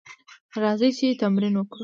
راځئ چې تمرين وکړو.